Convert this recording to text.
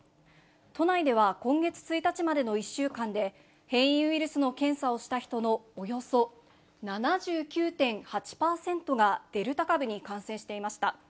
都内では、今月１日までの１週間で、変異ウイルスの検査をした人のおよそ７９．８％がデルタ株に感染していました。